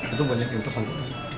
itu banyak yang tersangkut